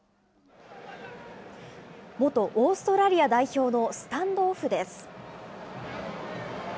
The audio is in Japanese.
元オーストラリア代表のスタンドオフです。